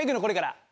これから。